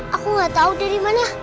aku gak tau dari mana